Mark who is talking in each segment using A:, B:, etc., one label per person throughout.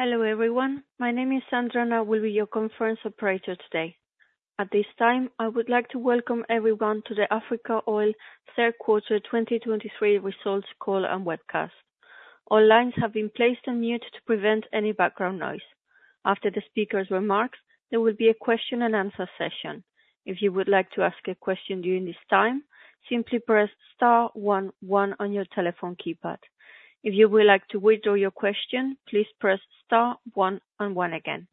A: Hello, everyone. My name is Sandra, and I will be your conference operator today. At this time, I would like to welcome everyone to the Africa Oil third quarter 2023 results call and webcast. All lines have been placed on mute to prevent any background noise. After the speaker's remarks, there will be a question and answer session. If you would like to ask a question during this time, simply press star one one on your telephone keypad. If you would like to withdraw your question, please press star one and one again.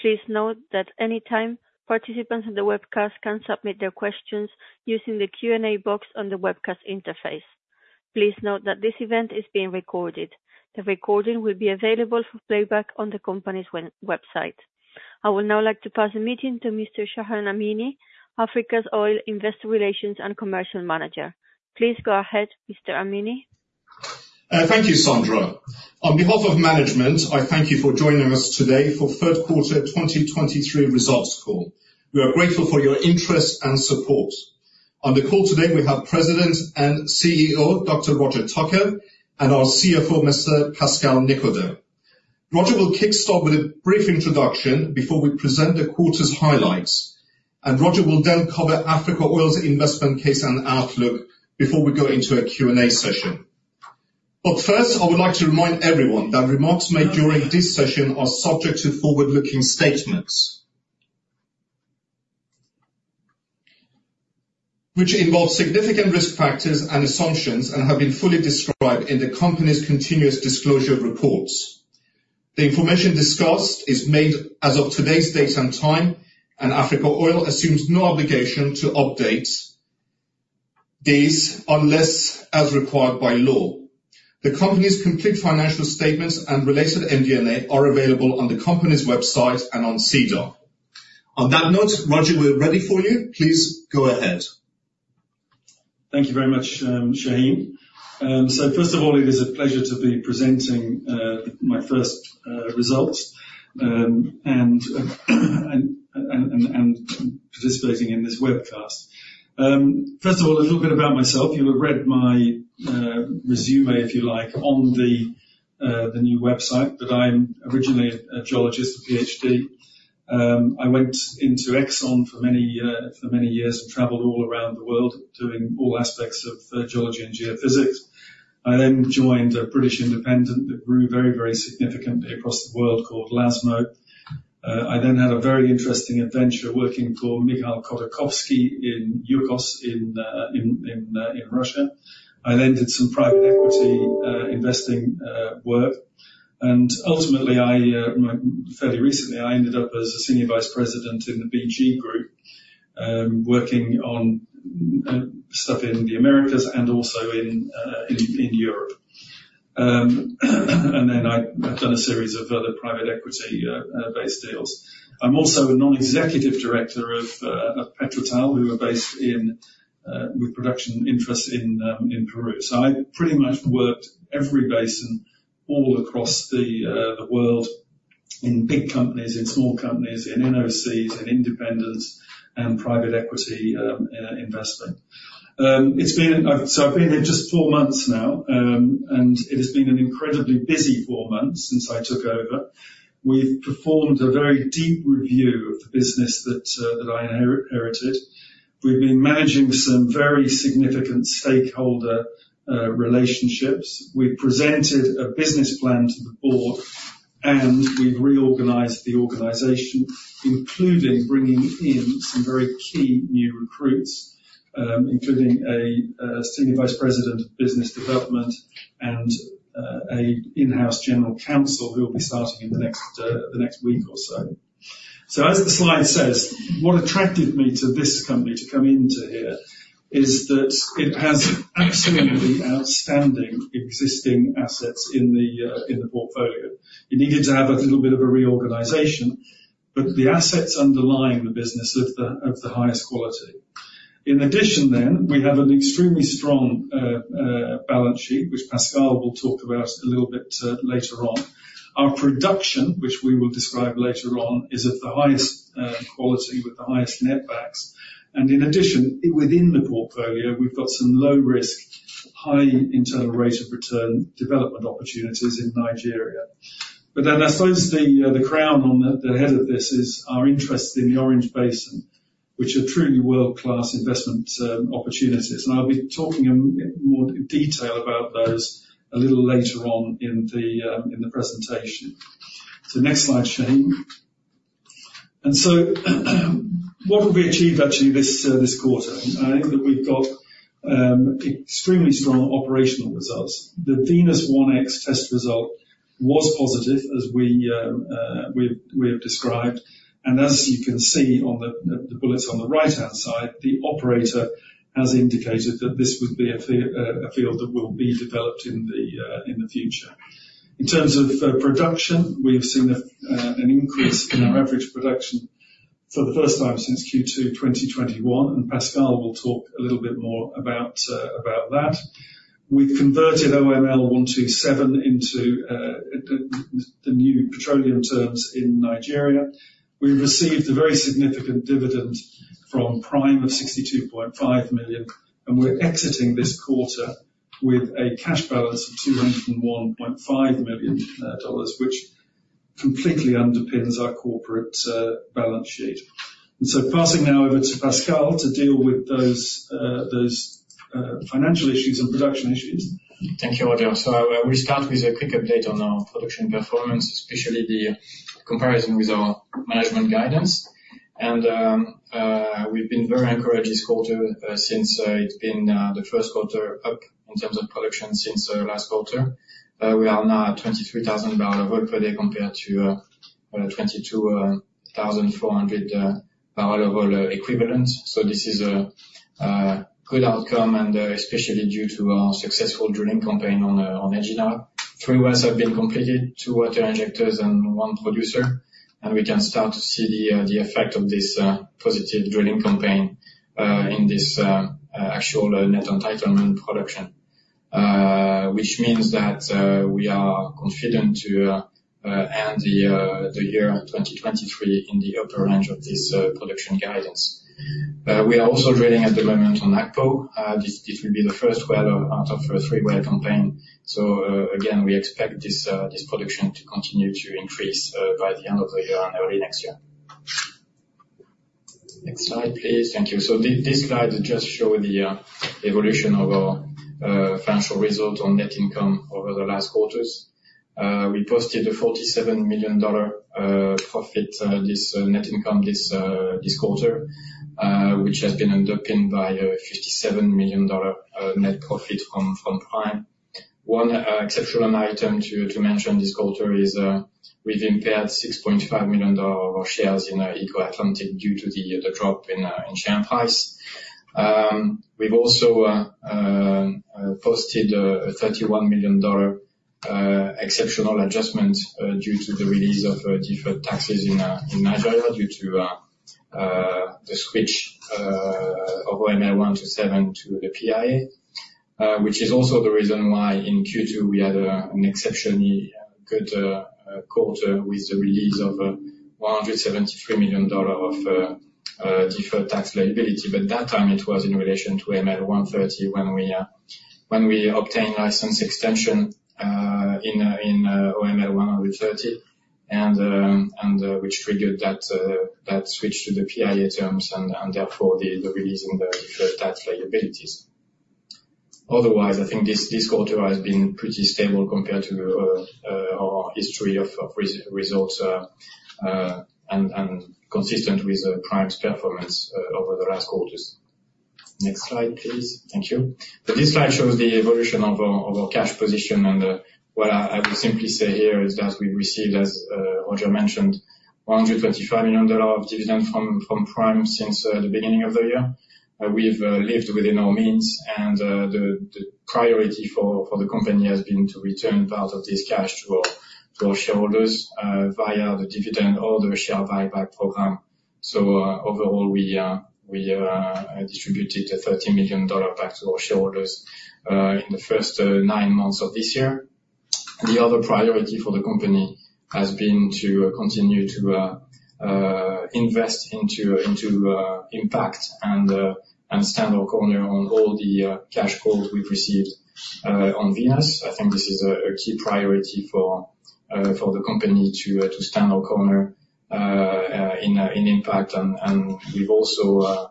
A: Please note that any time participants in the webcast can submit their questions using the Q&A box on the webcast interface. Please note that this event is being recorded. The recording will be available for playback on the company's website. I would now like to pass the meeting to Mr. Shahin Amini, Africa Oil's Investor Relations and Commercial Manager. Please go ahead, Mr. Amini.
B: Thank you, Sandra. On behalf of management, I thank you for joining us today for third quarter 2023 results call. We are grateful for your interest and support. On the call today, we have President and CEO, Dr. Roger Tucker, and our CFO, Mr. Pascal Nicodeme. Roger will kickstart with a brief introduction before we present the quarter's highlights, and Roger will then cover Africa Oil's investment case and outlook before we go into a Q&A session. But first, I would like to remind everyone that remarks made during this session are subject to forward-looking statements, which involve significant risk factors and assumptions and have been fully described in the company's continuous disclosure reports. The information discussed is made as of today's date and time, and Africa Oil assumes no obligation to update these unless as required by law. The company's complete financial statements and related MD&A are available on the company's website and on SEDAR. On that note, Roger, we're ready for you. Please go ahead.
C: Thank you very much, Shahin. So first of all, it is a pleasure to be presenting my first results and participating in this webcast. First of all, a little bit about myself. You will have read my resume, if you like, on the new website, but I'm originally a geologist, a PhD. I went into Exxon for many years and traveled all around the world, doing all aspects of geology and geophysics. I then joined a British independent that grew very significantly across the world, called LASMO. I then had a very interesting adventure working for Mikhail Khodorkovsky in Yukos, in Russia. I then did some private equity investing work. And ultimately, I, my... Fairly recently, I ended up as a senior vice president in the BG Group, working on stuff in the Americas and also in Europe. And then I've done a series of other private equity based deals. I'm also a non-executive director of PetroTal, who are based in with production interests in Peru. So I pretty much worked every basin all across the world, in big companies, in small companies, in NOCs, in independents, and private equity investment. It's been... So I've been here just four months now, and it has been an incredibly busy four months since I took over. We've performed a very deep review of the business that I inherited. We've been managing some very significant stakeholder relationships. We've presented a business plan to the board, and we've reorganized the organization, including bringing in some very key new recruits, including a senior vice president of business development and an in-house general counsel, who will be starting in the next week or so. So as the slide says, what attracted me to this company to come into here is that it has absolutely outstanding existing assets in the portfolio. It needed to have a little bit of a reorganization, but the assets underlying the business are of the highest quality. In addition, then, we have an extremely strong balance sheet, which Pascal will talk about a little bit later on. Our production, which we will describe later on, is of the highest quality with the highest netbacks. And in addition, within the portfolio, we've got some low risk, high internal rate of return development opportunities in Nigeria. But then I suppose the crown on the head of this is our interest in the Orange Basin, which are truly world-class investment opportunities, and I'll be talking in more detail about those a little later on in the presentation. Next slide, Shane. What have we achieved actually, this quarter? I think that we've got extremely strong operational results. The Venus-1X test result was positive, as we've described, and as you can see on the bullets on the right-hand side, the operator has indicated that this would be a field that will be developed in the future. In terms of production, we've seen an increase in our average production for the first time since Q2 2021, and Pascal will talk a little bit more about that. We've converted OML 127 into the new petroleum terms in Nigeria. We've received a very significant dividend from Prime of $62.5 million, and we're exiting this quarter with a cash balance of $201.5 million, which completely underpins our corporate balance sheet. So passing now over to Pascal to deal with those financial issues and production issues.
D: Thank you, Roger. So I will start with a quick update on our production performance, especially the comparison with our management guidance. We've been very encouraged this quarter, since it's been the first quarter up in terms of production since the last quarter. We are now at 23,000 barrel equivalent compared to 22,400 barrel oil equivalents. So this is a good outcome, and especially due to our successful drilling campaign on Egina. Three wells have been completed, two water injectors and one producer, and we can start to see the effect of this positive drilling campaign in this actual net entitlement production. Which means that, we are confident to end the year 2023 in the upper range of this production guidance. We are also drilling at the moment on Akpo. This will be the first well out of a three-well campaign. So, again, we expect this production to continue to increase by the end of the year and early next year. Next slide, please. Thank you. So this slide just shows the evolution of our financial results on net income over the last quarters. We posted a $47 million profit this net income this quarter, which has been underpinned by a $57 million net profit from Prime. One exceptional item to mention this quarter is, we've impaired $6.5 million of shares in Eco Atlantic due to the drop in share price. We've also posted a $31 million exceptional adjustment due to the release of deferred taxes in Nigeria due to the switch of OML 127 to the PIA. Which is also the reason why in Q2, we had an exceptionally good quarter with the release of $173 million of deferred tax liability. But that time it was in relation to OML 130, when we, when we obtained license extension, in, in OML 130, and, and, which triggered that, that switch to the PIA terms and, and therefore, the, the release in the deferred tax liabilities. Otherwise, I think this, this quarter has been pretty stable compared to, our history of, of results, and, and consistent with, Prime's performance, over the last quarters. Next slide, please. Thank you. So this slide shows the evolution of our, of our cash position, and, what I, I will simply say here is that we received, as, Roger mentioned, $125 million of dividend from, from Prime since, the beginning of the year. We've lived within our means, and the priority for the company has been to return part of this cash to our shareholders via the dividend or the share buyback program. So, overall, we distributed $30 million back to our shareholders in the first nine months of this year. The other priority for the company has been to continue to invest into Impact and stand our corner on all the cash flows we've received on Venus. I think this is a key priority for the company to stand our corner in Impact. And we've also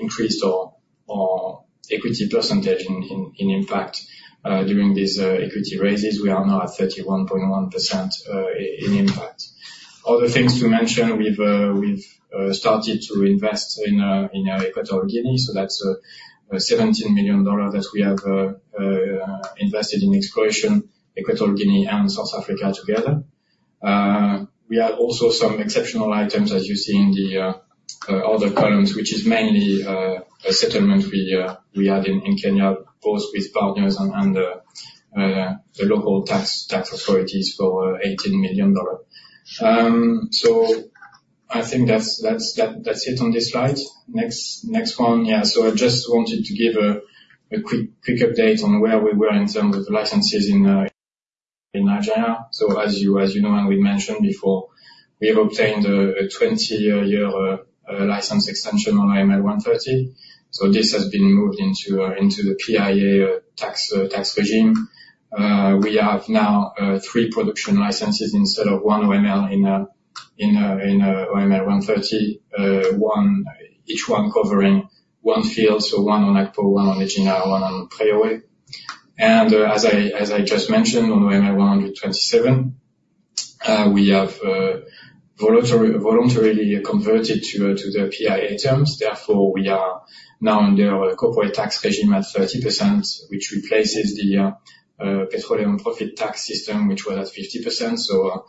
D: increased our equity percentage in Impact. During these equity raises, we are now at 31.1% in Impact. Other things to mention, we've started to invest in Equatorial Guinea, so that's $17 million that we have invested in exploration, Equatorial Guinea and South Africa together. We have also some exceptional items, as you see in the other columns, which is mainly a settlement we had in Kenya, both with partners and the local tax authorities for $18 million. So I think that's it on this slide. Next one. Yeah, so I just wanted to give a quick update on where we were in terms of licenses in Nigeria. So as you, as you know, and we mentioned before, we have obtained a 20-year license extension on OML 130. So this has been moved into the PIA tax regime. We have now three production licenses instead of one OML in OML 130. One each one covering one field, so one on Akpo, one on Egina, and one on Preowei. And as I just mentioned, on OML 127, we have voluntarily converted to the PIA terms. Therefore, we are now under a corporate tax regime at 30%, which replaces the petroleum profit tax system, which was at 50%. So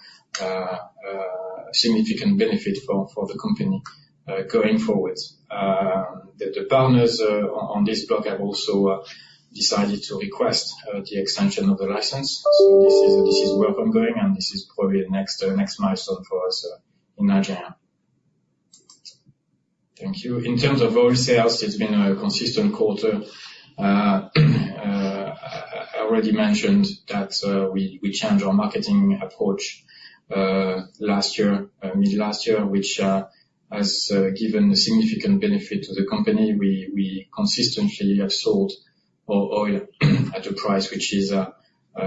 D: significant benefit for the company going forward. The partners on this block have also decided to request the extension of the license. So this is work ongoing, and this is probably the next milestone for us in Nigeria. Thank you. In terms of oil sales, it's been a consistent quarter. I already mentioned that we changed our marketing approach last year, mid last year, which has given a significant benefit to the company. We consistently have sold our oil at a price which is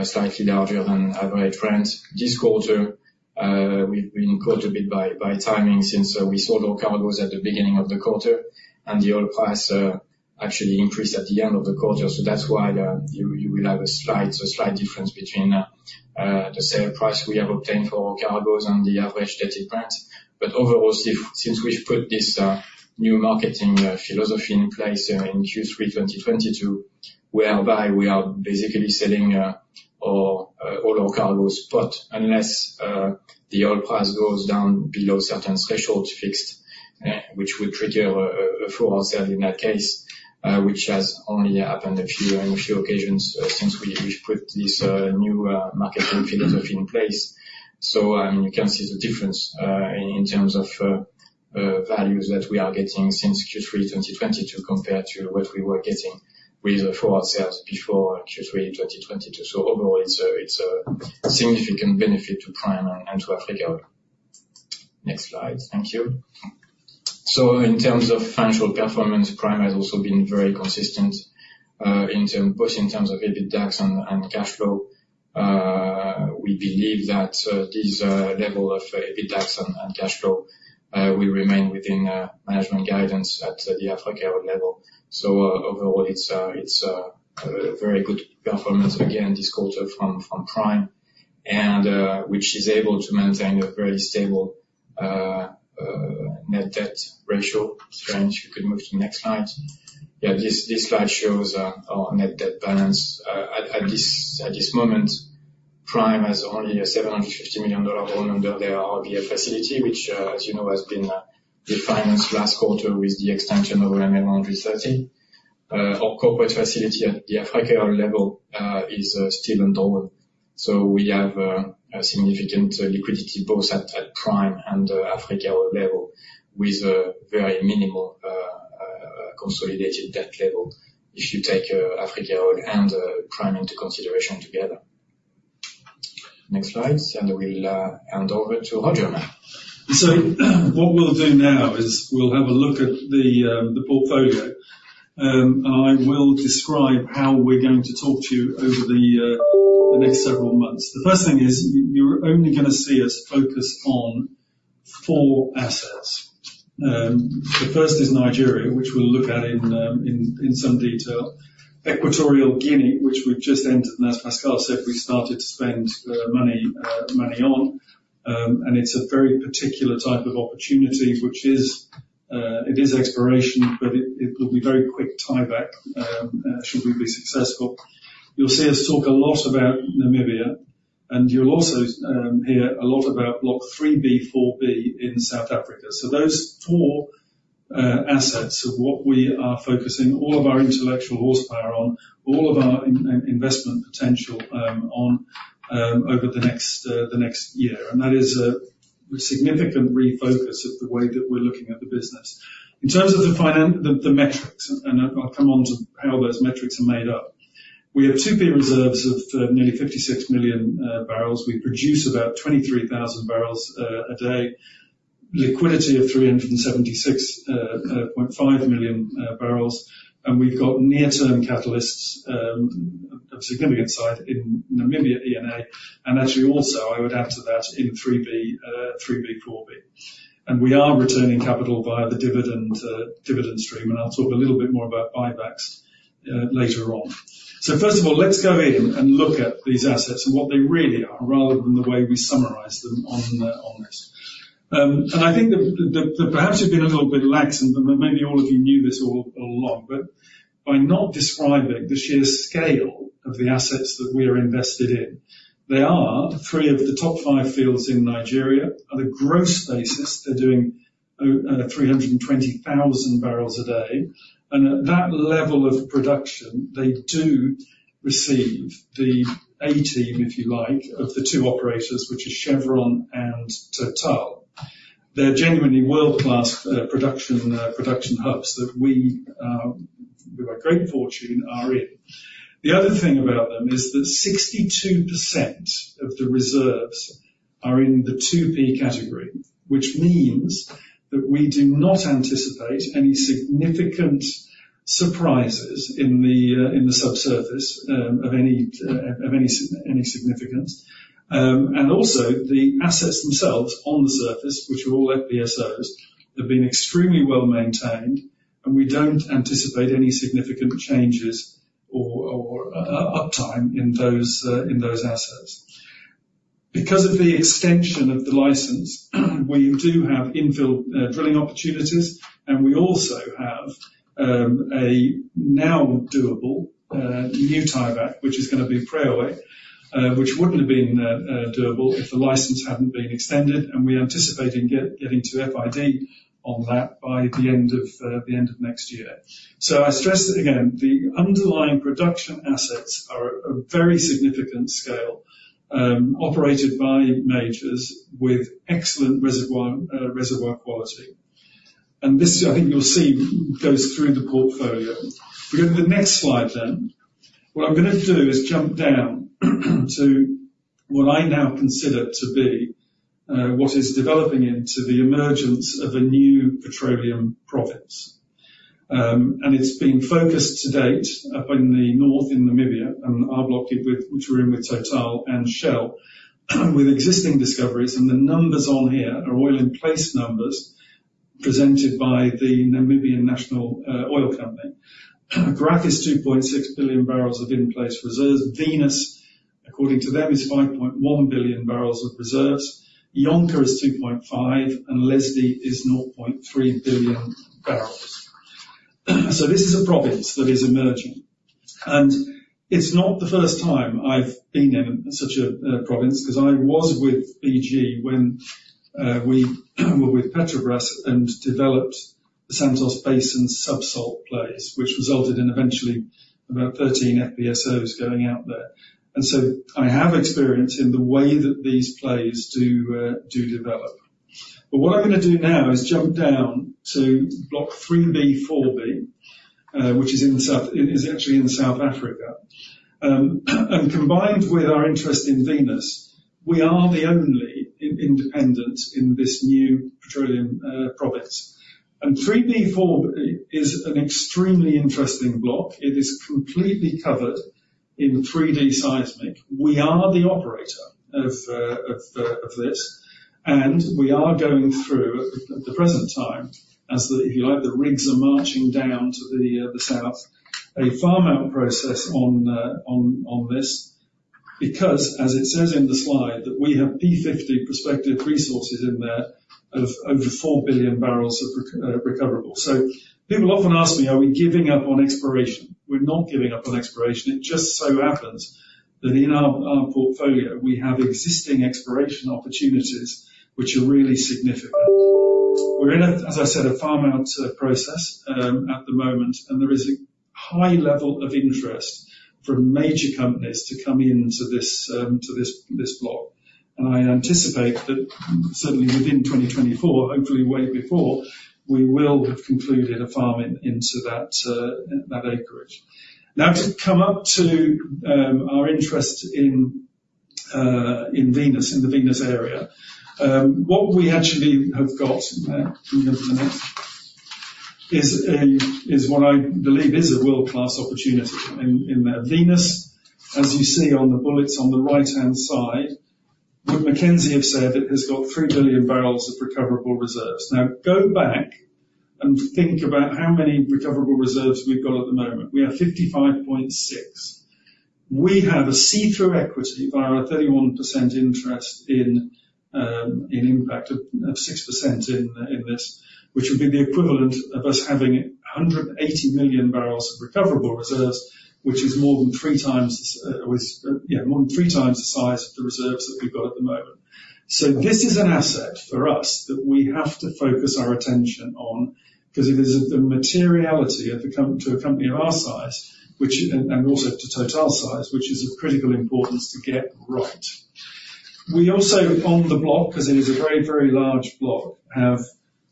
D: slightly larger than average Brent. This quarter, we incurred a bit by timing, since we sold our cargos at the beginning of the quarter, and the oil price actually increased at the end of the quarter. So that's why you will have a slight difference between the sale price we have obtained for our cargos and the average Dated price. But overall, since we've put this new marketing philosophy in place in Q3 2022, whereby we are basically selling all our cargos, but unless the oil price goes down below certain thresholds fixed, which would trigger a full sale in that case, which has only happened on a few occasions since we've put this new marketing philosophy in place. So you can see the difference in terms of values that we are getting since Q3 2022, compared to what we were getting with the full sales before Q3 2022. So overall, it's a significant benefit to Prime and to Africa Oil. Next slide. Thank you. So in terms of financial performance, Prime has also been very consistent, both in terms of EBITDAX and cash flow. We believe that this level of EBITDAX and cash flow will remain within management guidance at the Africa Oil level. So overall, it's a very good performance again, this quarter from Prime, and which is able to maintain a very stable net debt ratio. So if you could move to the next slide. Yeah, this slide shows our net debt balance. At this moment, Prime has only a $750 million loan under their RBL facility, which, as you know, has been refinanced last quarter with the extension to 2030. Our corporate facility at the Africa Oil level is still undrawn. So we have a significant liquidity both at Prime and Africa Oil level, with a very minimal consolidated debt level. If you take Africa Oil and Prime into consideration together. Next slide, and we'll hand over to Roger now.
C: So what we'll do now is we'll have a look at the, the portfolio. And I will describe how we're going to talk to you over the, the next several months. The first thing is, you're only gonna see us focus on four assets. The first is Nigeria, which we'll look at in some detail. Equatorial Guinea, which we've just entered, and as Pascal said, we started to spend money on. And it's a very particular type of opportunity, which is, it is exploration, but it will be very quick tieback, should we be successful. You'll see us talk a lot about Namibia, and you'll also hear a lot about Block 3B/4B in South Africa. So those four assets are what we are focusing all of our intellectual horsepower on, all of our investment potential on over the next year. That is a significant refocus of the way that we're looking at the business. In terms of the metrics, and I'll come on to how those metrics are made up. We have 2P reserves of nearly 56 million barrels. We produce about 23,000 barrels a day, liquidity of $376.5 million, and we've got near-term catalysts of significant size in Namibia, E&A, and actually also, I would add to that in 3B/4B. We are returning capital via the dividend stream, and I'll talk a little bit more about buybacks later on. So first of all, let's go in and look at these assets and what they really are, rather than the way we summarize them on the, on this. And I think that we've perhaps have been a little bit lax, and maybe all of you knew this all, all along, but by not describing the sheer scale of the assets that we are invested in. They are three of the top five fields in Nigeria. On a gross basis, they're doing 320,000 barrels a day, and at that level of production, they do receive the A team, if you like, of the two operators, which is Chevron and Total. They're genuinely world-class production hubs that we, with a great fortune, are in. The other thing about them is that 62% of the reserves are in the 2P category, which means that we do not anticipate any significant surprises in the subsurface of any significance. And also, the assets themselves on the surface, which are all FPSOs, have been extremely well-maintained, and we don't anticipate any significant changes or uptime in those assets. Because of the extension of the license, we do have infill drilling opportunities, and we also have a now doable new tieback, which is gonna be Preowei, which wouldn't have been doable if the license hadn't been extended, and we're anticipating getting to FID on that by the end of next year. So I stress it again, the underlying production assets are a very significant scale, operated by majors with excellent reservoir quality. And this, I think you'll see, goes through the portfolio. If we go to the next slide. What I'm gonna do is jump down to what I now consider to be what is developing into the emergence of a new petroleum province. And it's been focused to date up in the north, in Namibia, and our block, which we're in with Total and Shell, with existing discoveries. And the numbers on here are oil in place numbers presented by the Namibian National Oil Company. Graff is 2.6 billion barrels of in-place reserves. Venus, according to them, is 5.1 billion barrels of reserves. Jonker is 2.5, and Lesedi is 0.3 billion barrels. So this is a province that is emerging, and it's not the first time I've been in such a province, 'cause I was with BG when we were with Petrobras and developed the Santos Basin subsalt plays, which resulted in eventually about 13 FPSOs going out there. And so I have experience in the way that these plays do develop. But what I'm gonna do now is jump down to Block 3B, 4B, which is in the South. It is actually in South Africa. And combined with our interest in Venus, we are the only independent in this new petroleum province. And 3B, 4B is an extremely interesting block. It is completely covered in 3D seismic. We are the operator of this, and we are going through at the present time, as the... If you like, the rigs are marching down to the south, a farm out process on this, because as it says in the slide, that we have P50 prospective resources in there of over 4 billion barrels of recoverable. So people often ask me, "Are we giving up on exploration?" We're not giving up on exploration. It just so happens that in our portfolio, we have existing exploration opportunities which are really significant. We're in a, as I said, a farm out process at the moment, and there is a high level of interest from major companies to come into this block. I anticipate that certainly within 2024, hopefully way before, we will have concluded a farm in, into that that acreage. Now, to come up to, our interest in, in Venus, in the Venus area. What we actually have got there, can you go to the next? Is a, is what I believe is a world-class opportunity in, in Venus. As you see on the bullets on the right-hand side, Wood Mackenzie have said it has got 3 billion barrels of recoverable reserves. Now, go back and think about how many recoverable reserves we've got at the moment. We have 55.6. We have a see-through equity via our 31% interest in, in Impact of 6% in, in this, which would be the equivalent of us having 180 million barrels of recoverable reserves. Which is more than three times the size of the reserves that we've got at the moment. So this is an asset for us that we have to focus our attention on, because it is the materiality to a company of our size, also to Total size, which is of critical importance to get right. We also, on the block, because it is a very, very large block, have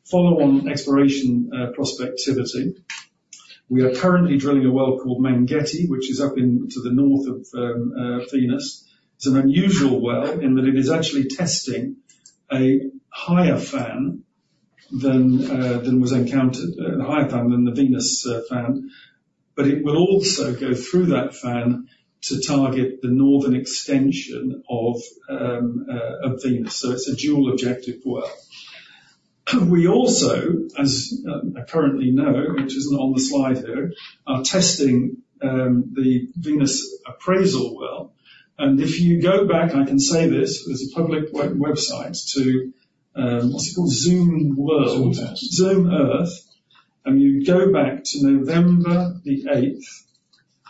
C: follow-on exploration prospectivity. We are currently drilling a well called Mangetti, which is up into the north of Venus. It's an unusual well in that it is actually testing a higher fan than was encountered, higher fan than the Venus fan. But it will also go through that fan to target the northern extension of Venus. It's a dual objective well. We also, as I currently know, which isn't on the slide here, are testing the Venus appraisal well. If you go back, and I can say this, there's a public website to, what's it called? Zoom World.
A: Zoom Earth.
C: Zoom Earth. And you go back to November the eighth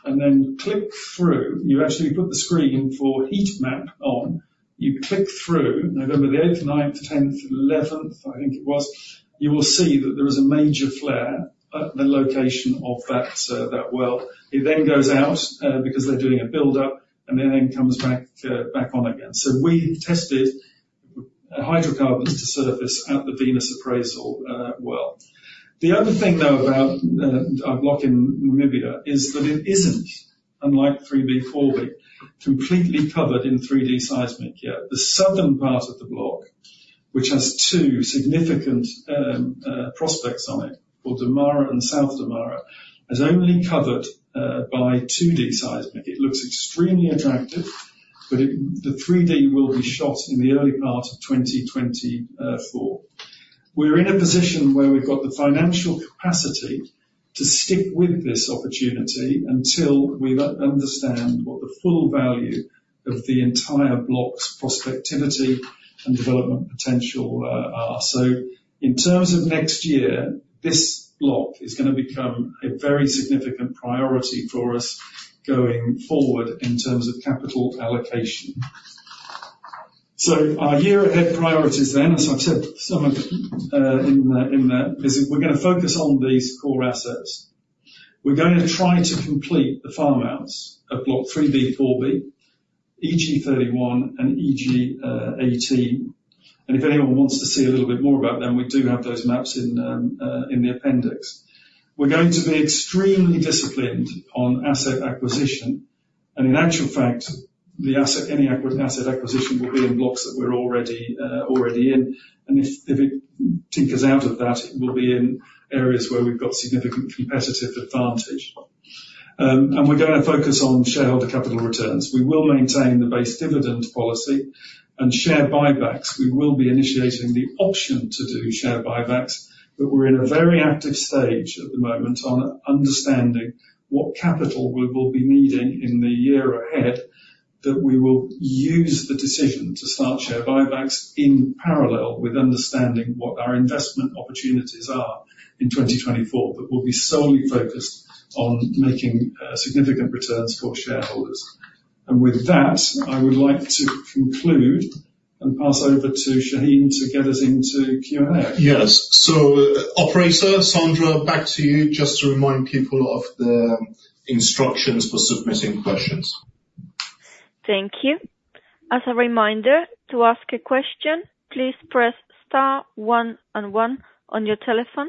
C: and then click through. You actually put the screen for heat map on. You click through November the eighth, ninth, tenth, eleventh, I think it was. You will see that there is a major flare at the location of that, that well. It then goes out, because they're doing a build-up, and then, then comes back, back on again. So we tested hydrocarbons to surface at the Venus appraisal, well. The other thing, though, about, our block in Namibia is that it isn't, unlike 3B, 4B, completely covered in 3D seismic yet. The southern part of the block, which has two significant, prospects on it, called Damara and South Damara, is only covered, by 2D seismic. It looks extremely attractive, but it... The 3D will be shot in the early part of 2024. We're in a position where we've got the financial capacity to stick with this opportunity until we understand what the full value of the entire block's prospectivity and development potential are. So in terms of next year, this block is gonna become a very significant priority for us going forward in terms of capital allocation. So our year-ahead priorities then, as I've said, some of it is we're gonna focus on these core assets. We're going to try to complete the farm outs of Block 3B/4B, EG-31, and EG-18. And if anyone wants to see a little bit more about them, we do have those maps in the appendix. We're going to be extremely disciplined on asset acquisition. In actual fact, the asset, any asset acquisition will be in blocks that we're already in. And if it tinkers out of that, it will be in areas where we've got significant competitive advantage. We're going to focus on shareholder capital returns. We will maintain the base dividend policy and share buybacks. We will be initiating the option to do share buybacks, but we're in a very active stage at the moment on understanding what capital we will be needing in the year ahead, that we will use the decision to start share buybacks in parallel with understanding what our investment opportunities are in 2024. But we'll be solely focused on making significant returns for shareholders. With that, I would like to conclude and pass over to Shahin to get us into Q&A.
B: Yes. So, operator, Sandra, back to you, just to remind people of the instructions for submitting questions.
A: Thank you. As a reminder, to ask a question, please press star one on one on your telephone.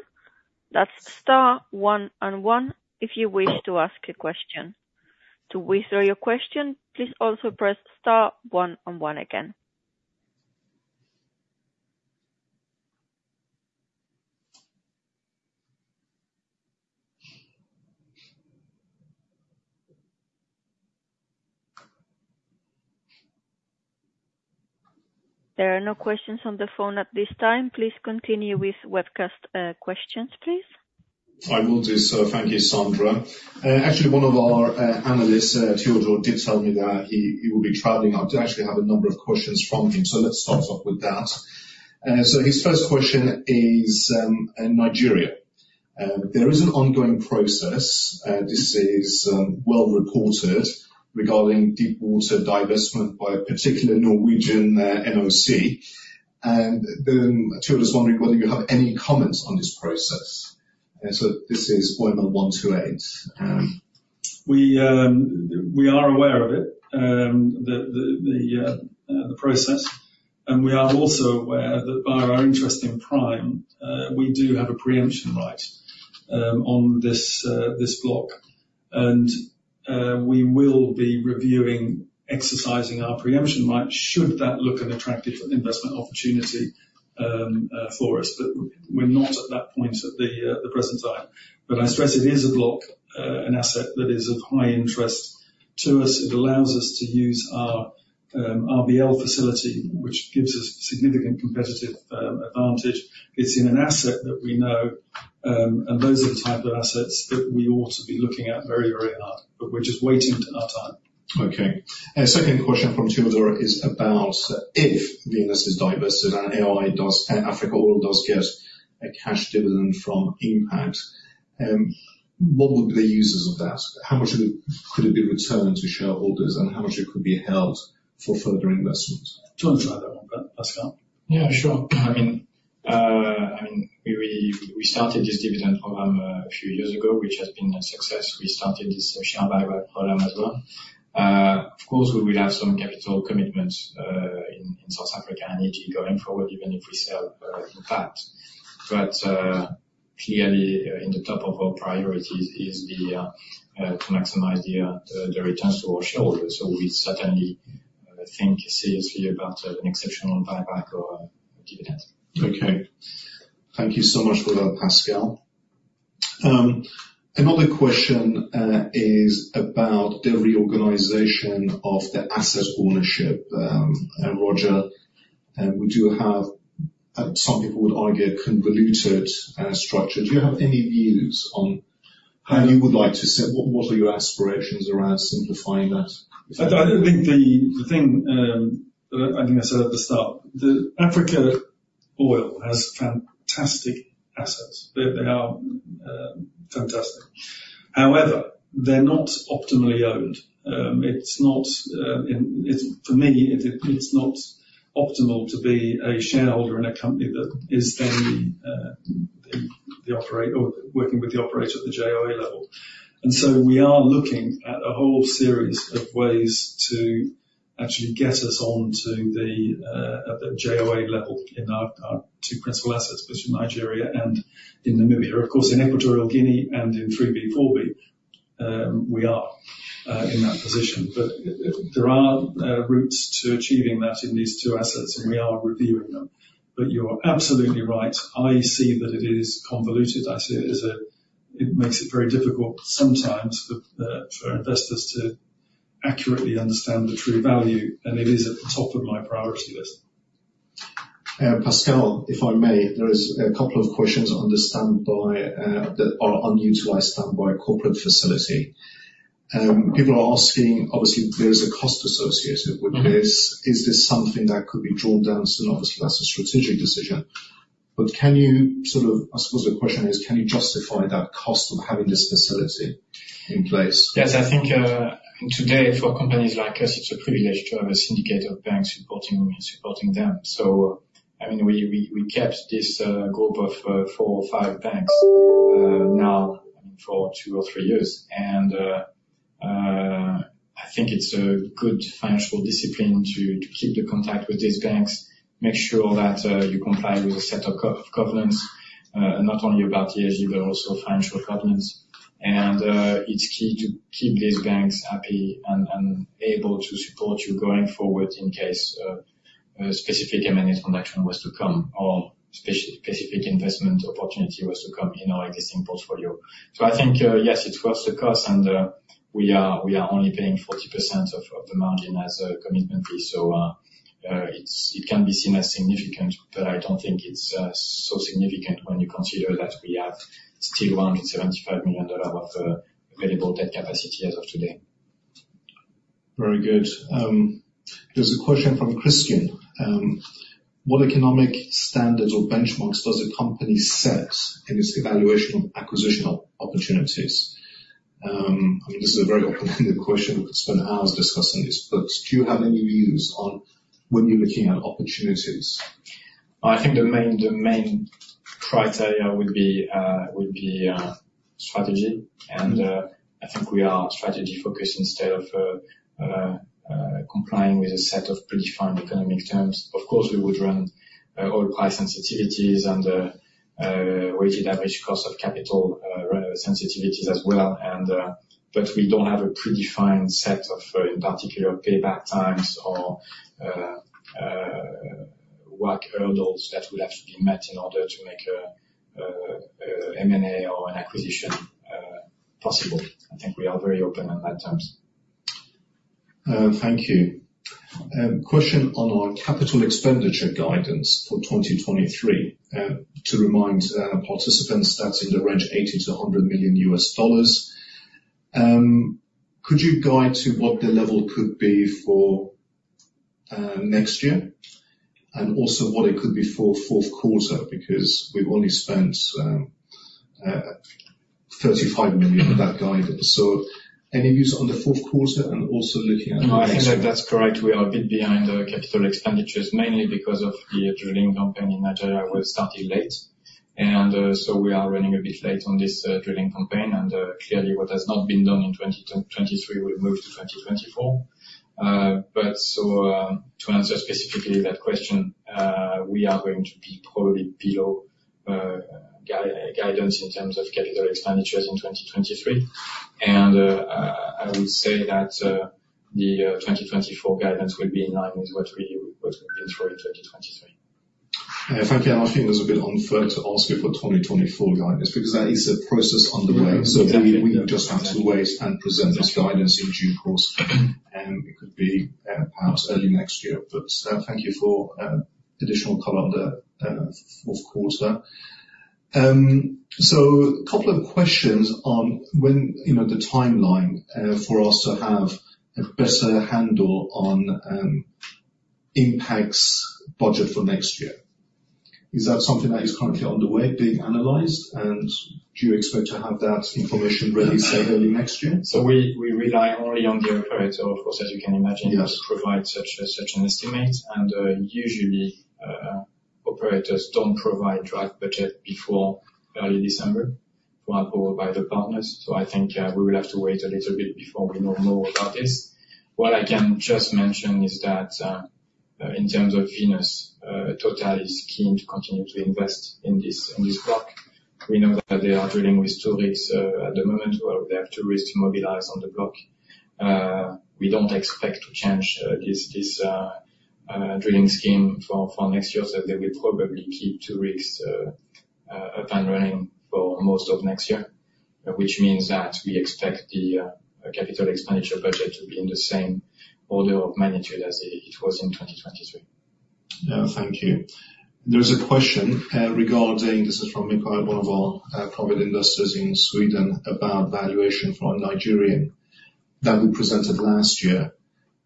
A: That's star one on one, if you wish to ask a question. To withdraw your question, please also press star one on one again. There are no questions on the phone at this time. Please continue with webcast questions, please.
B: I will do so. Thank you, Sandra. Actually, one of our analysts, Teodor, did tell me that he will be traveling. I do actually have a number of questions from him, so let's start off with that. So his first question is, in Nigeria. There is an ongoing process, this is well reported, regarding deepwater divestment by a particular Norwegian NOC. And then Teodor is wondering whether you have any comments on this process. And so this is OML 128.
C: We are aware of it, the process, and we are also aware that via our interest in Prime, we do have a preemption right on this block. And we will be reviewing, exercising our preemption right, should that look an attractive investment opportunity for us, but we're not at that point at the present time. But I stress it is a block, an asset that is of high interest to us. It allows us to use our RBL facility, which gives us significant competitive advantage. It's in an asset that we know, and those are the type of assets that we ought to be looking at very, very hard, but we're just waiting our time.
B: Okay. Second question from Teodor is about if the investment is divested and AI does, Africa Oil does get a cash dividend from Impact, what would be the uses of that? How much of it could it be returned to shareholders, and how much it could be held for further investments?
C: Do you want to try that one, Pascal?
D: Yeah, sure. I mean, I mean, we started this dividend program a few years ago, which has been a success. We started this share buyback program as well. Of course, we will have some capital commitments in South Africa, and it will be going forward, even if we sell Impact. But clearly, in the top of our priorities is to maximize the returns to our shareholders. So we certainly think seriously about an exceptional buyback or a dividend.
B: Okay. Thank you so much for that, Pascal. Another question is about the reorganization of the asset ownership. Roger, would you have some people would argue, a convoluted structure? Do you have any views on how you would like to set—what are your aspirations around simplifying that?
C: I do think the thing that I think I said at the start, Africa Oil has fantastic assets. They are fantastic. However, they're not optimally owned. It's not optimal for me, it's not optimal to be a shareholder in a company that is then the operator or working with the operator at the JOA level. And so we are looking at a whole series of ways to actually get us onto the JOA level in our two principal assets, which are Nigeria and Namibia. Of course, in Equatorial Guinea and in 3B, 4B, we are in that position. But there are routes to achieving that in these two assets, and we are reviewing them. But you're absolutely right. I see that it is convoluted. I see it as a... It makes it very difficult sometimes for, for investors to accurately understand the true value, and it is at the top of my priority list.
B: Pascal, if I may, there is a couple of questions on the standby that are unutilized standby corporate facility. People are asking, obviously, there's a cost associated with this. Is this something that could be drawn down? So obviously, that's a strategic decision. But can you sort of... I suppose the question is, can you justify that cost of having this facility in place?
D: Yes, I think today, for companies like us, it's a privilege to have a syndicate of banks supporting them. So, I mean, we kept this group of four or five banks now for two or three years. And I think it's a good financial discipline to keep the contact with these banks, make sure that you comply with a set of governance. Not only about ESG, but also financial governance. And it's key to keep these banks happy and able to support you going forward in case a specific M&A transaction was to come or specific investment opportunity was to come in our existing portfolio. So I think yes, it's worth the cost, and we are only paying 40% of the margin as a commitment fee. So, it can be seen as significant, but I don't think it's so significant when you consider that we have still $175 million of available debt capacity as of today.
B: Very good. There's a question from Christian. What economic standards or benchmarks does a company set in its evaluation of acquisitional opportunities? I mean, this is a very open-ended question. We could spend hours discussing this, but do you have any views on when you're looking at opportunities?
D: I think the main criteria would be strategy. I think we are strategy focused instead of complying with a set of predefined economic terms. Of course, we would run oil price sensitivities and weighted average cost of capital sensitivities as well. But we don't have a predefined set of, in particular, payback times or work hurdles that would have to be met in order to make a M&A or an acquisition possible. I think we are very open on that terms.
B: Thank you. Question on our capital expenditure guidance for 2023. To remind participants, that's in the range of $80 million-$100 million. Could you guide to what the level could be for next year, and also what it could be for fourth quarter? Because we've only spent $35 million of that guidance. So any views on the fourth quarter and also looking at next year?
D: I think that's correct. We are a bit behind our capital expenditures, mainly because of the drilling campaign in Nigeria. We started late, and so we are running a bit late on this drilling campaign. And clearly, what has not been done in 2023 will move to 2024. But so, to answer specifically that question, we are going to be probably below guidance in terms of capital expenditures in 2023. And I would say that the 2024 guidance will be in line with what we've been through in 2023.
B: Thank you. I think it was a bit unfair to ask you for 2024 guidance because that is a process underway.
D: Exactly.
B: So we just have to wait and present this guidance in due course, and it could be perhaps early next year. But thank you for additional color on the fourth quarter. So couple of questions on when, you know, the timeline for us to have a better handle on Impact's budget for next year. Is that something that is currently underway, being analyzed, and do you expect to have that information ready say early next year?
D: So we rely only on the operator, of course, as you can imagine-
B: Yes...
D: to provide such an estimate. Usually, operators don't provide draft budget before early December, approved by the partners. So I think we will have to wait a little bit before we know more about this. What I can just mention is that in terms of Venus, Total is keen to continue to invest in this block. We know that they are drilling with two rigs at the moment, or they have two rigs to mobilize on the block. We don't expect to change this drilling scheme for next year, so they will probably keep two rigs up and running for most of next year. Which means that we expect the capital expenditure budget to be in the same order of magnitude as it was in 2023.
B: Thank you. There is a question regarding... This is from one of our private investors in Sweden, about valuation for Nigerian, that we presented last year.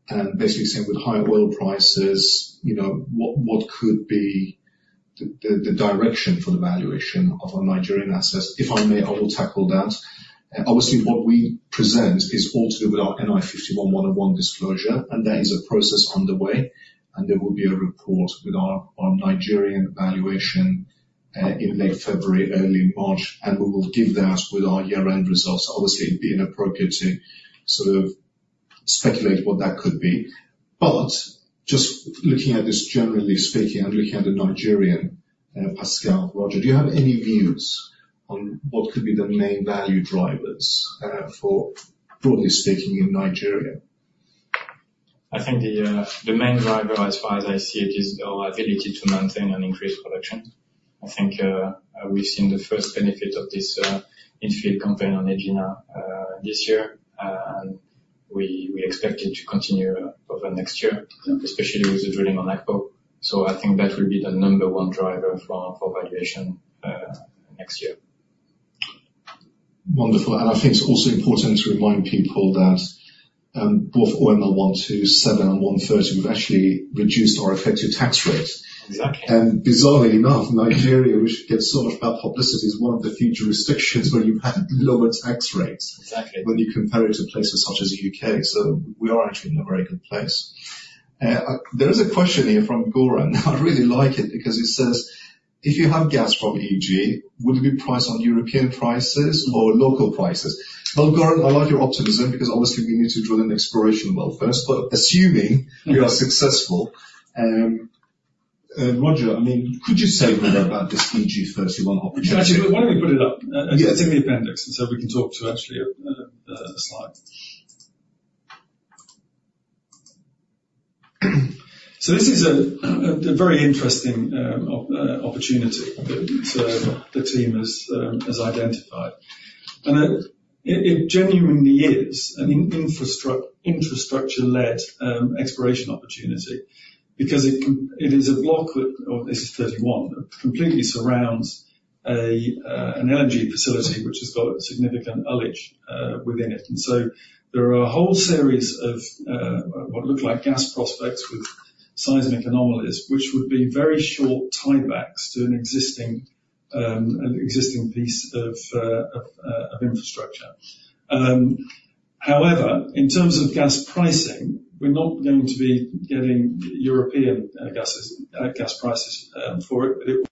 B: And basically saying with higher oil prices, you know, what could be the direction for the valuation of our Nigerian assets? If I may, I will tackle that. Obviously, what we present is all to do with our NI 51-101 disclosure, and there is a process underway, and there will be a report with our Nigerian valuation in late February, early March, and we will give that with our year-end results. Obviously, it would be inappropriate to sort of speculate what that could be. Just looking at this, generally speaking, and looking at the Nigerian, Pascal, Roger, do you have any views on what could be the main value drivers for, broadly speaking, in Nigeria?
D: I think the main driver, as far as I see it, is our ability to maintain an increased production. I think we've seen the first benefit of this infill campaign on Egina this year. And we expect it to continue over next year-... especially with the drilling on Akpo. So I think that will be the number one driver for valuation, next year.
B: Wonderful. I think it's also important to remind people that both OML 127 and OML 130, we've actually reduced our effective tax rate.
D: Exactly.
B: Bizarrely enough, Nigeria, which gets so much bad publicity, is one of the few jurisdictions where you have lower tax rates.
D: Exactly...
B: when you compare it to places such as the U.K. So we are actually in a very good place. There is a question here from Goran. I really like it because it says: "If you have gas from EG, would it be priced on European prices or local prices?" Well, Goran, I like your optimism, because obviously we need to drill an exploration well first. But assuming-... we are successful, Roger, I mean, could you say more about this EG-31 opportunity?
C: Actually, why don't we put it up?
B: Yeah.
C: It's in the appendix, so we can talk about, actually, a slide. So this is a very interesting opportunity that the team has identified. And it genuinely is an infrastructure-led exploration opportunity because it is a block that, EG-31, completely surrounds an energy facility which has got significant oil and gas within it. And so there are a whole series of what look like gas prospects with seismic anomalies, which would be very short tiebacks to an existing piece of infrastructure. However, in terms of gas pricing, we're not going to be getting European gas prices for it. But it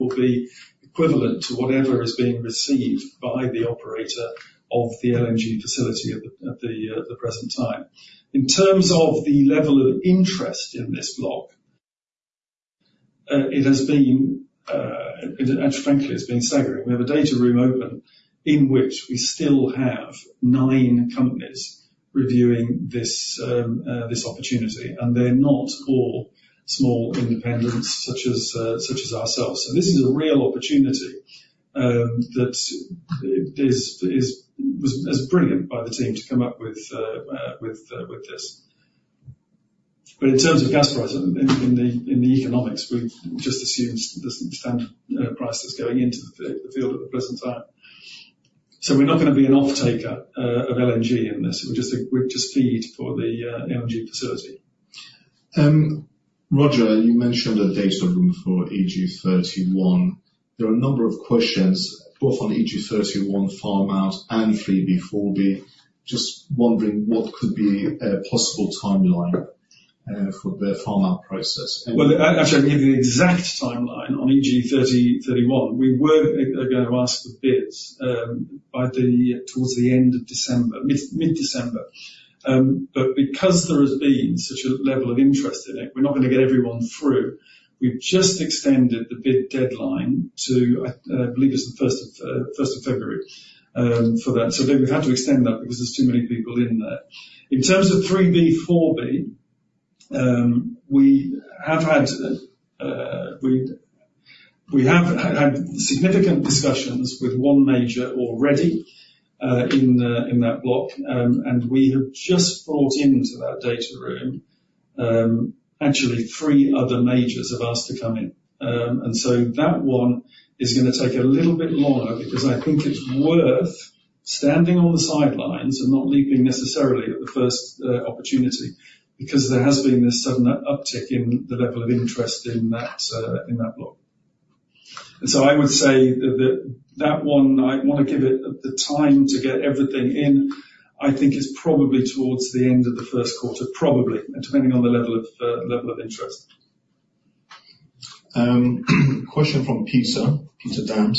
C: will be equivalent to whatever is being received by the operator of the LNG facility at the present time. In terms of the level of interest in this block, it has been, and frankly, it's been staggering. We have a data room open in which we still have nine companies reviewing this opportunity, and they're not all small independents such as ourselves. So this is a real opportunity that is brilliant by the team to come up with this. But in terms of gas prices in the economics, we've just assumed the standard prices going into the field at the present time. So we're not gonna be an offtaker of LNG in this. We're just feed for the LNG facility.
B: Roger, you mentioned a data room for EG-31. There are a number of questions both on EG-31 farm out and 3B, 4B. Just wondering what could be a possible timeline for the farm out process?
C: Well, actually, the exact timeline on EG-30, 31, we were gonna ask for bids by towards the end of December, mid-December. But because there has been such a level of interest in it, we're not gonna get everyone through. We've just extended the bid deadline to, I believe it's the first of February, for that. So I think we had to extend that because there's too many people in there. In terms of 3B, 4B, we have had significant discussions with one major already, in that block. And we have just brought into that data room, actually three other majors have asked to come in. And so that one is gonna take a little bit longer because I think it's worth standing on the sidelines and not leaping necessarily at the first opportunity, because there has been this sudden uptick in the level of interest in that block. And so I would say that one, I want to give it the time to get everything in. I think it's probably towards the end of the first quarter, probably, depending on the level of interest.
B: Question from Peter Damp.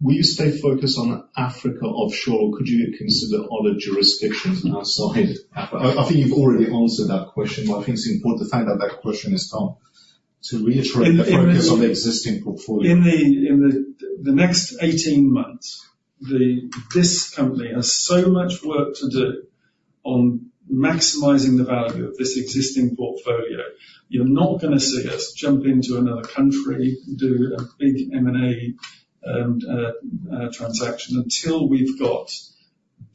B: Will you stay focused on Africa offshore, or could you consider other jurisdictions outside Africa? I think you've already answered that question, but I think it's important the fact that that question is asked. To reiterate the focus on the existing portfolio.
C: In the next 18 months, this company has so much work to do on maximizing the value of this existing portfolio. You're not gonna see us jump into another country and do a big M&A transaction, until we've got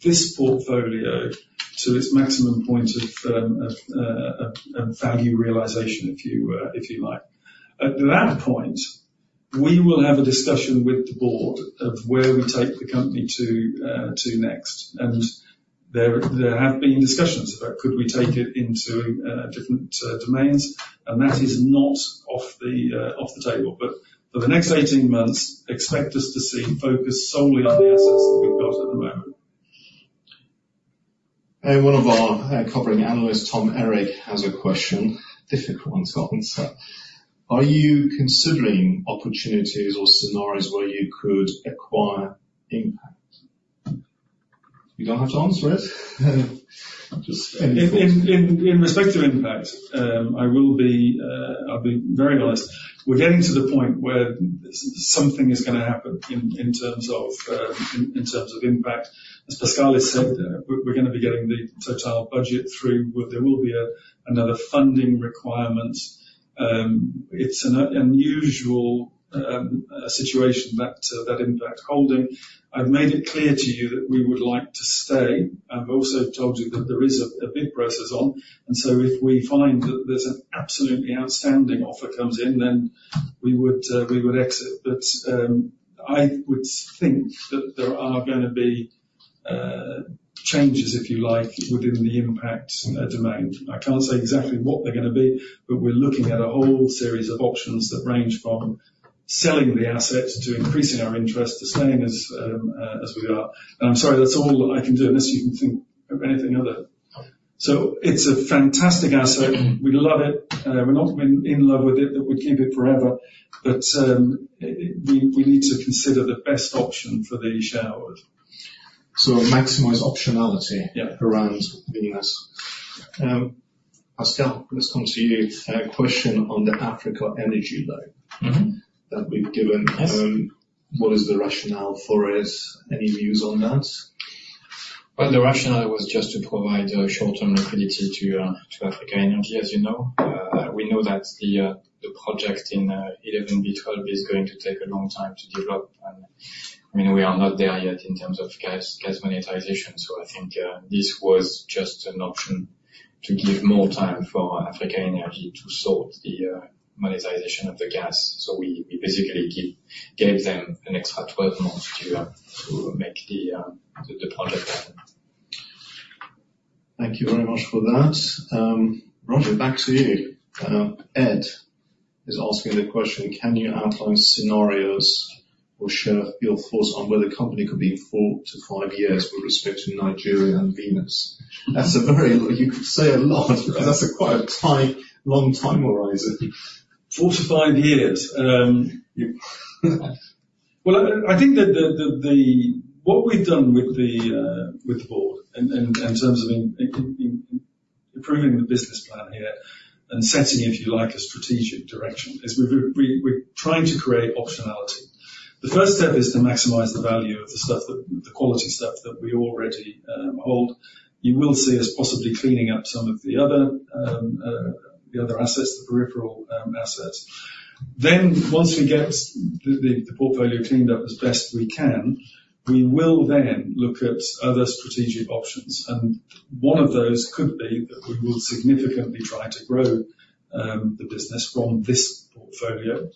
C: this portfolio to its maximum point of value realization, if you like. At that point, we will have a discussion with the board of where we take the company to next. And there have been discussions about could we take it into different domains, and that is not off the table. But for the next 18 months, expect us to see focus solely on the assets that we've got at the moment.
B: One of our covering analysts, Tom Eric, has a question. Difficult one to get answered. Are you considering opportunities or scenarios where you could acquire Impact? You don't have to answer it. Just any thoughts.
C: In respect to Impact, I will be, I'll be very honest. We're getting to the point where something is gonna happen in terms of Impact. As Pascal said, we're gonna be getting the total budget through, but there will be another funding requirement. It's an unusual situation that Impact holding. I've made it clear to you that we would like to stay. I've also told you that there is a bid process on, and so if we find that there's an absolutely outstanding offer comes in, then we would exit. But I would think that there are gonna be changes, if you like, within the Impact domain. I can't say exactly what they're gonna be, but we're looking at a whole series of options that range from selling the assets to increasing our interest, to staying as we are. I'm sorry, that's all that I can do on this. You can think of anything other. It's a fantastic asset. We love it. We're not in love with it, that we keep it forever, but we need to consider the best option for the shareholders.
B: So maximize optionality-
C: Yeah.
B: -around the asset?... Pascal, let's come to you. A question on the Africa Energy loan. That we've given.
D: Yes.
B: What is the rationale for it? Any views on that?
D: Well, the rationale was just to provide short-term liquidity to Africa Energy, as you know. We know that the project in 11B/12B is going to take a long time to develop, and, I mean, we are not there yet in terms of gas monetization. So I think this was just an option to give more time for Africa Energy to sort the monetization of the gas. So we basically gave them an extra 12 months to make the project happen.
B: Thank you very much for that. Roger, back to you. Ed is asking the question: Can you outline scenarios or share your thoughts on where the company could be in four to five years with respect to Nigeria and Venus? That's a very you could say a lot because that's quite a long time horizon.
C: four to five years. Well, I think that what we've done with the board in terms of improving the business plan here and setting, if you like, a strategic direction, is we're trying to create optionality. The first step is to maximize the value of the stuff that... the quality stuff that we already hold. You will see us possibly cleaning up some of the other assets, the peripheral assets. Then once we get the portfolio cleaned up as best we can, we will then look at other strategic options, and one of those could be that we will significantly try to grow the business from this portfolio.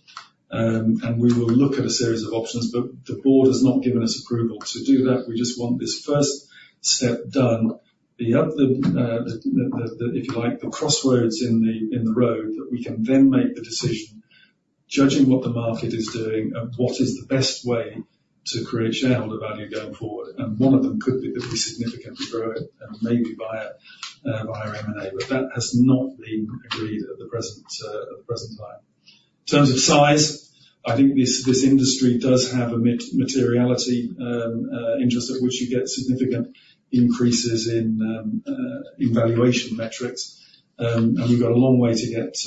C: And we will look at a series of options, but the board has not given us approval to do that. We just want this first step done, if you like, the crossroads in the road, that we can then make the decision, judging what the market is doing and what is the best way to create shareholder value going forward. And one of them could be that we significantly grow it, and maybe via M&A, but that has not been agreed at the present time. In terms of size, I think this industry does have a materiality interest, at which you get significant increases in valuation metrics. We've got a long way to get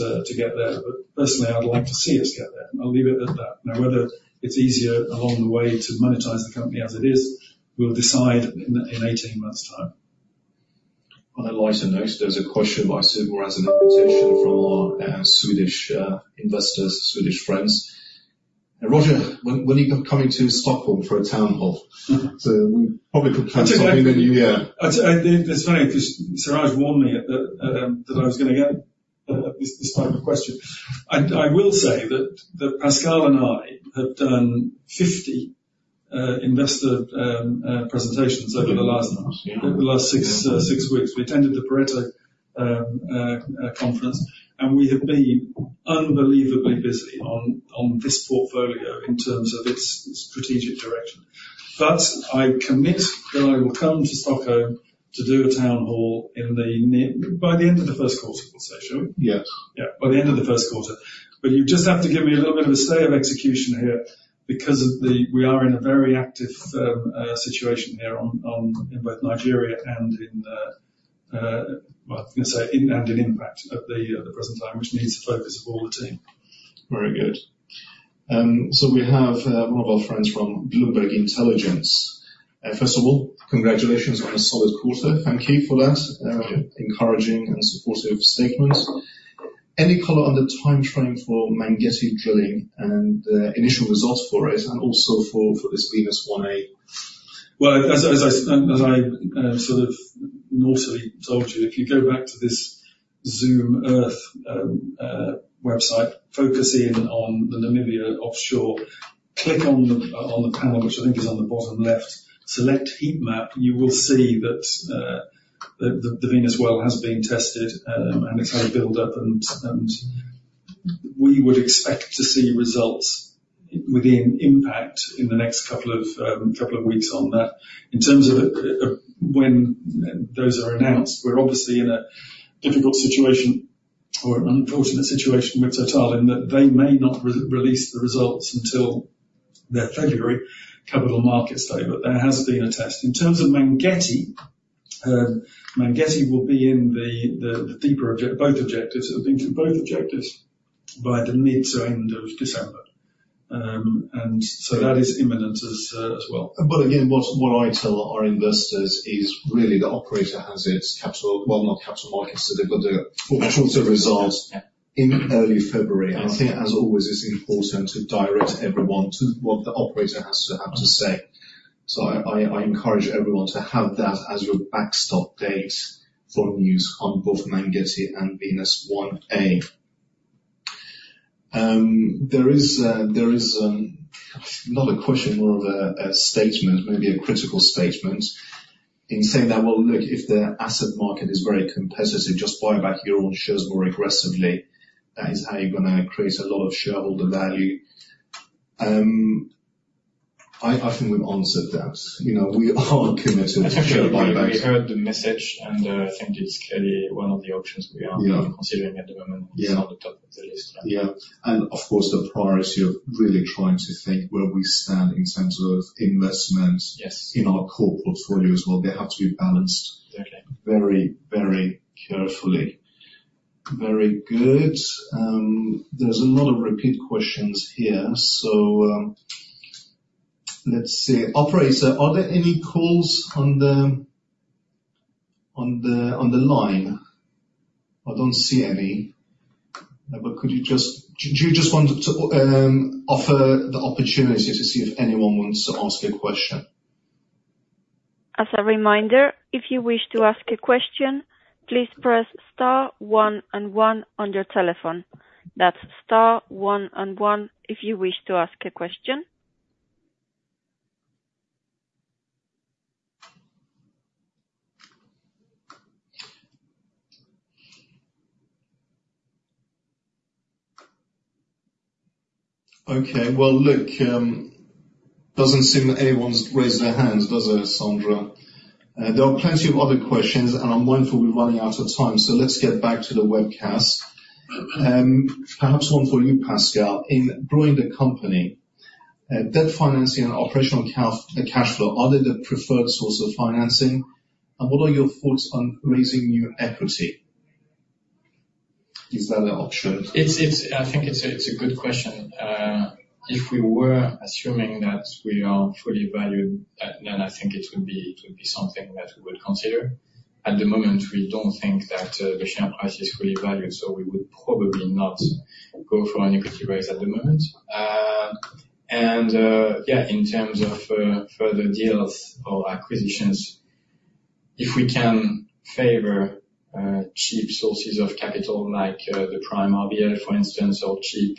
C: there, but personally, I'd like to see us get there. I'll leave it at that. Now, whether it's easier along the way to monetize the company as it is, we'll decide in 18 months' time.
B: On a lighter note, there's a question by Siraj, or as a petition from our, Swedish, investors, Swedish friends. Roger, when, when are you coming to Stockholm for a town hall? So we probably could plan something in the new year.
C: It's funny because Siraj warned me that I was gonna get this type of question. I will say that Pascal and I have done 50 investor presentations over the last-
B: Yeah.
C: Over the last six weeks. We attended the Pareto conference, and we have been unbelievably busy on this portfolio in terms of its strategic direction. But I commit that I will come to Stockholm to do a town hall in the near... by the end of the first quarter, we'll say, shall we?
B: Yes.
C: Yeah, by the end of the first quarter. But you just have to give me a little bit of a stay of execution here because of the, we are in a very active situation here on in both Nigeria and in, well, I was going to say, and in Impact at the present time, which needs the focus of all the team.
B: Very good. So we have one of our friends from Bloomberg Intelligence. First of all, congratulations on a solid quarter. Thank you for that.
C: Thank you.
B: Encouraging and supportive statement. Any color on the timeframe for Mangetti drilling and initial results for it and also for this Venus-1A?
C: Well, as I sort of naughtily told you, if you go back to this Zoom Earth website, focus in on the Namibia offshore. Click on the panel, which I think is on the bottom left, select Heat Map, you will see that the Venus well has been tested, and it's had a build-up, and we would expect to see results within Impact in the next couple of weeks on that. In terms of when those are announced, we're obviously in a difficult situation or an unfortunate situation with Total in that they may not re-release the results until their February capital markets day, but there has been a test. In terms of Mangetti, Mangetti will be in both objectives, I think in both objectives by the mid to end of December. And so that is imminent as well.
B: But again, what I tell our investors is really the operator has its capital... Well, not capital markets, so they've got the-
C: Full results.
B: Results in early February.
C: Yes.
B: I think, as always, it's important to direct everyone to what the operator has to have to say. So I encourage everyone to have that as your backstop date for news on both Mangetti and Venus one A. There is not a question, more of a statement, maybe a critical statement. In saying that, well, look, if the asset market is very competitive, just buy back your own shares more aggressively. That is how you're gonna create a lot of shareholder value. I think we've answered that. You know, we are committed to share buybacks.
D: We heard the message, and I think it's clearly one of the options we are-
B: Yeah
D: - considering at the moment.
B: Yeah.
D: It's on the top of the list.
B: Yeah. And of course, the priority of really trying to think where we stand in terms of investment-
D: Yes
B: in our core portfolio as well. They have to be balanced-
D: Exactly...
B: very, very carefully.... Very good. There's a lot of repeat questions here, so, let's see. Operator, are there any calls on the line? I don't see any. But could you just, do you just want to offer the opportunity to see if anyone wants to ask a question?
A: As a reminder, if you wish to ask a question, please press star one and one on your telephone. That's star one and one, if you wish to ask a question.
B: Okay, well, look, doesn't seem that anyone's raised their hands, does it, Sandra? There are plenty of other questions, and I'm mindful we're running out of time, so let's get back to the webcast. Perhaps one for you, Pascal. In growing the company, debt financing and operational cash flow, are they the preferred source of financing, and what are your thoughts on raising new equity? Is that an option?
D: It's a good question. If we were assuming that we are fully valued, then I think it would be something that we would consider. At the moment, we don't think that the share price is fully valued, so we would probably not go for an equity raise at the moment. And yeah, in terms of further deals or acquisitions, if we can favor cheap sources of capital, like the Prime RBL, for instance, or cheap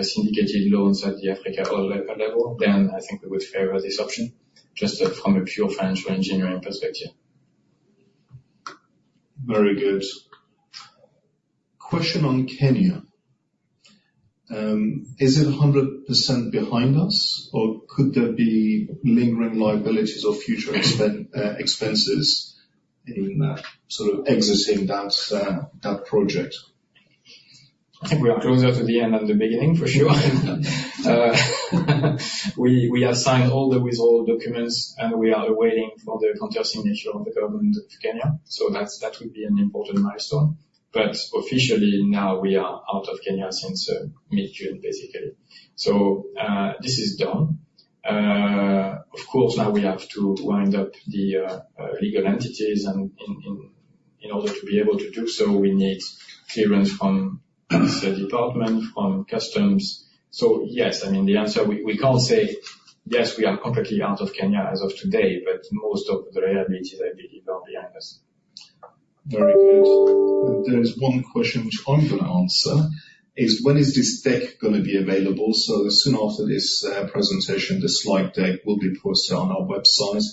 D: syndicated loans at the Africa or local level, then I think we would favor this option, just from a pure financial engineering perspective.
B: Very good. Question on Kenya. Is it 100% behind us, or could there be lingering liabilities or future expenses in sort of exiting that project?
D: I think we are closer to the end than the beginning, for sure. We have signed all the relevant documents, and we are waiting for the counter signature of the government of Kenya. So that's, that would be an important milestone. But officially now, we are out of Kenya since mid-June, basically. So this is done. Of course, now we have to wind up the legal entities, and in order to be able to do so, we need clearance from the department, from customs. So yes, I mean, the answer... We can't say, "Yes, we are completely out of Kenya as of today," but most of the liabilities, I believe, are behind us.
B: Very good. There's one question which I'm going to answer, is when is this deck going to be available? So soon after this presentation, the slide deck will be posted on our website,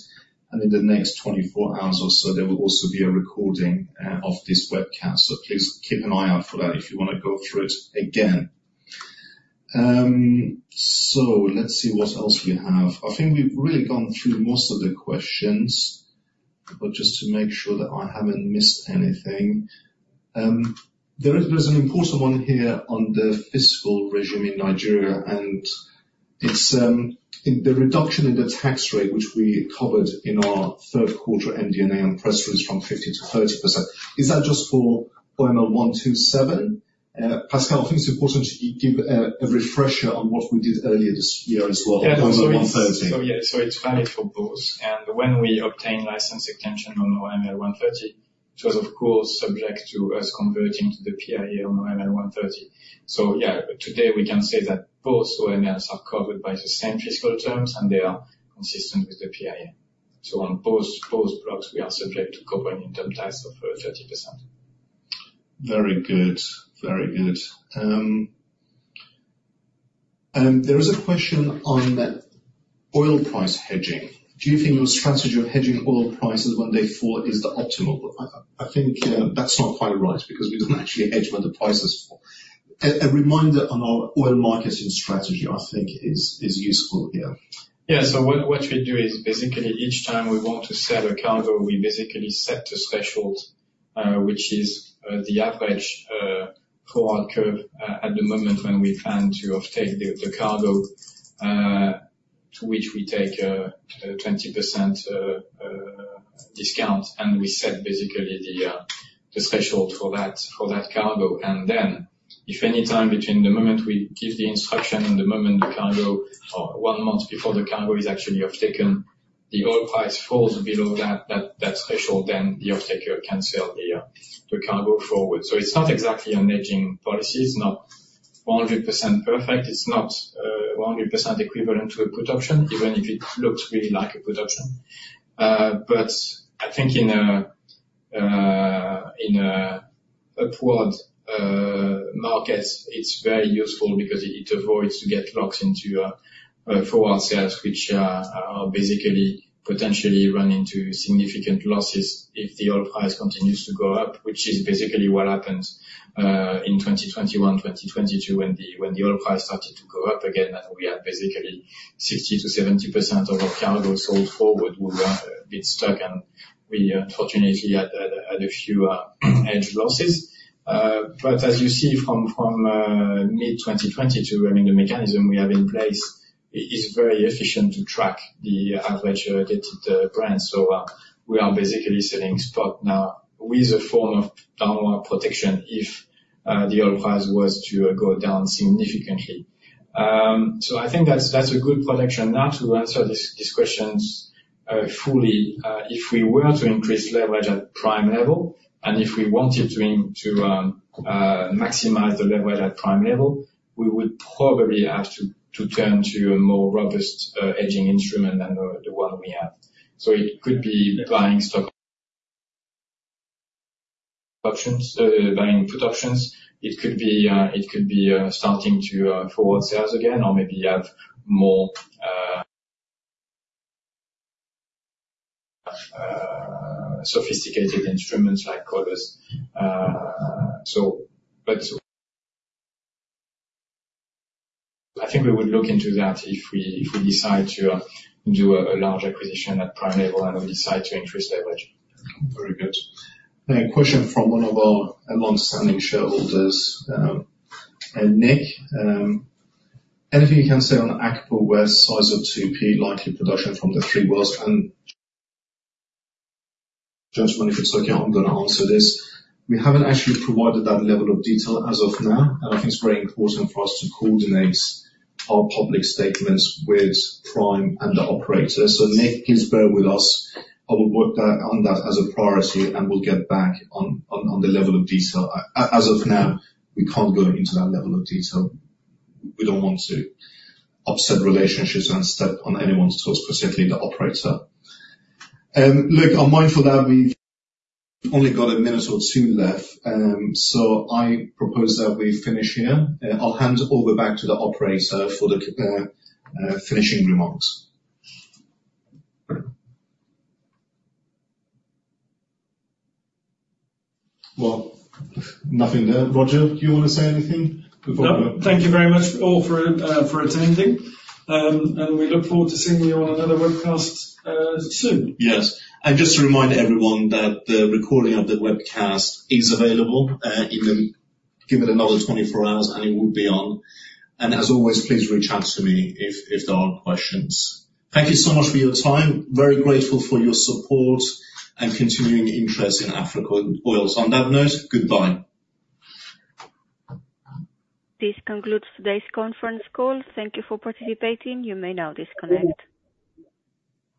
B: and in the next 24 hours or so, there will also be a recording of this webcast. So please keep an eye out for that if you want to go through it again. Let's see what else we have. I think we've really gone through most of the questions, but just to make sure that I haven't missed anything. There's an important one here on the fiscal regime in Nigeria, and it's in the reduction in the tax rate, which we covered in our third quarter MD&A and press release from 50% to 30%. Is that just for OML 127? Pascal, I think it's important you give a refresher on what we did earlier this year as well, OML 130.
D: So, yeah, so it's valid for both. And when we obtain license extension on OML 130, which was, of course, subject to us converting to the PIA on OML 130. So yeah, today we can say that both OMLs are covered by the same fiscal terms, and they are consistent with the PIA. So on both, both blocks, we are subject to covering in terms of 30%.
B: Very good. Very good. And there is a question on oil price hedging. Do you think your strategy of hedging oil prices when they fall is the optimal? I think that's not quite right because we don't actually hedge when the prices fall. A reminder on our oil marketing strategy, I think is useful here.
D: Yeah. So what we do is basically each time we want to sell a cargo, we basically set a threshold, which is the average for our curve at the moment when we plan to offtake the cargo, to which we take 20% discount, and we set basically the threshold for that cargo. And then, if any time between the moment we give the instruction and the moment the cargo, or one month before the cargo is actually offtaken, the oil price falls below that threshold, then the offtaker can sell the cargo forward. So it's not exactly a hedging policy. It's not 100% perfect. It's not 100% equivalent to a production, even if it looks really like a production. But I think in a upward market, it's very useful because it avoids to get locked into a forward sales, which are basically potentially run into significant losses if the oil price continues to go up, which is basically what happened in 2021, 2022, when the oil price started to go up again, and we had basically 60%-70% of our cargo sold forward, we were a bit stuck, and we unfortunately had a few hedge losses. But as you see from mid-2022, I mean, the mechanism we have in place is very efficient to track the average Dated Brent. So, we are basically selling stock now with a form of downward protection if the oil price was to go down significantly. So I think that's, that's a good prediction. Now, to answer these questions fully, if we were to increase leverage at Prime level, and if we wanted to maximize the level at Prime level, we would probably have to turn to a more robust hedging instrument than the one we have. So it could be buying stock options, buying put options. It could be, it could be, starting to forward sales again, or maybe have more sophisticated instruments like others. So but I think we would look into that if we decide to do a large acquisition at Prime level and we decide to increase leverage.
B: Very good. A question from one of our longstanding shareholders, and Nick, anything you can say on Akpo West size of 2P likely production from the 3 wells? And, gentlemen, if it's okay, I'm gonna answer this. We haven't actually provided that level of detail as of now, and I think it's very important for us to coordinate our public statements with Prime and the operator. So Nick, please bear with us. I will work that, on that as a priority, and we'll get back on, on, on the level of detail. As of now, we can't go into that level of detail. We don't want to upset relationships and step on anyone's toes, specifically the operator. Look, I'm mindful that we've only got a minute or two left, so I propose that we finish here. I'll hand over back to the operator for the finishing remarks. Well, nothing there. Roger, do you want to say anything before we-
C: No. Thank you very much all for attending, and we look forward to seeing you on another webcast soon.
B: Yes, and just to remind everyone that the recording of the webcast is available. You can give it another 24 hours, and it will be on. And as always, please reach out to me if, if there are questions. Thank you so much for your time. Very grateful for your support and continuing interest in Africa Oil. On that note, goodbye.
A: This concludes today's conference call. Thank you for participating. You may now disconnect.